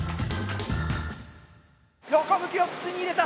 横向きの筒に入れた。